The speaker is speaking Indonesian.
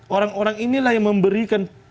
orang orang inilah yang memberikan